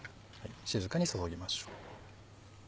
静かに注ぎましょう。